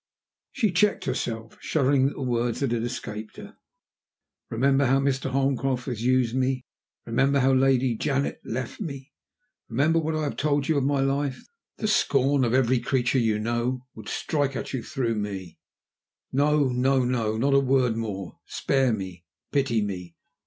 She checked herself, shuddering at the words that had escaped her. "Remember how Mr. Holmcroft has used me! Remember how Lady Janet has left me! Remember what I have told you of my life! The scorn of every creature you know would strike at you through me. No! no! no! Not a word more. Spare me! pity me!